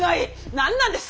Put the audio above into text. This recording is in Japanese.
何なんですか？